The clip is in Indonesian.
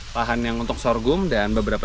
bahan yang untuk sorghum dan beberapa